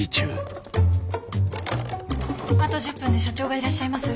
あと１０分で社長がいらっしゃいます。